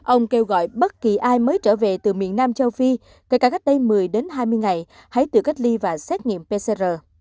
ông kêu gọi bất kỳ ai mới trở về từ miền nam châu phi kể cả cách đây một mươi đến hai mươi ngày hãy tự cách ly và xét nghiệm pcr